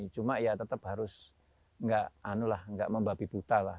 cuma ya tetap harus nggak membabi buta lah